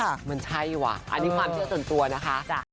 อันนี้ความเธอสันตัวนะคะ